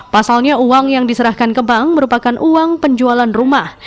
pasalnya uang yang diserahkan ke bank merupakan uang penjualan rumah